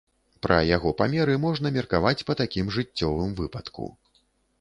Пра яго памеры можна меркаваць па такім жыццёвым выпадку.